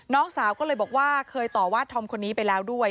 น้องสาวก็เลยบอกว่าเคยต่อว่าธอมคนนี้ไปแล้วด้วย